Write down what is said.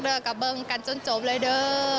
เดี๋ยวก็เบิ่งกันจนจบเลยเด้อ